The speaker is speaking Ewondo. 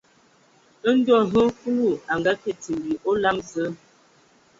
Ndɔ hm fɔɔ Kulu a ngakǝ timbi a olam Zǝǝ,